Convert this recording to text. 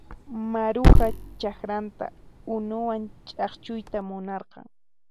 Maruja chakranta unuwan ch'akchuyta munarqan.